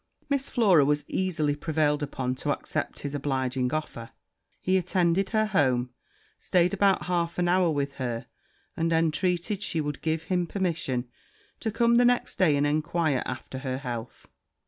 Miss Flora was easily prevailed upon to accept his obliging offer; he attended her home stayed about half an hour with her and entreated she would give him permission to come the next day and enquire after her health.